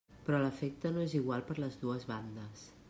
Però l'efecte no és igual per les dues bandes.